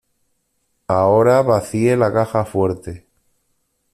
Ahora vacíe la caja fuerte.